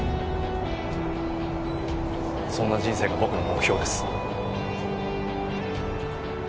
そんな人生が僕の目標です。